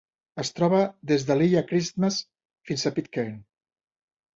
Es troba des de l'Illa Christmas fins a Pitcairn.